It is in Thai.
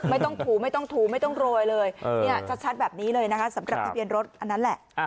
ไม่ต้องถูไม่ต้องถูไม่ต้องโรยเลยชัดแบบนี้เลยนะคะสำหรับทะเบียนรถอันนั้นแหละ